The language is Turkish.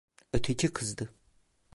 Öteki kızdı…